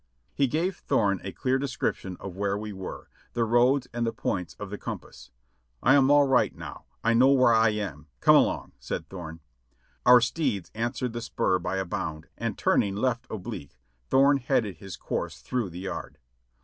He gave Thorne a clear description of where we were, the roads and the points of the compass. "I am all right now, I know where I am ; come along," said Thorne. Our steeds answered the spur by a bound, and turning left oblique, Thorne headed his course through the yard.